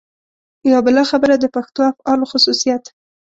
یوه بله خبره د پښتو افعالو خصوصیت.